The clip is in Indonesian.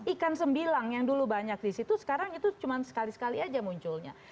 ikan sembilang yang dulu banyak di situ sekarang itu cuma sekali sekali aja munculnya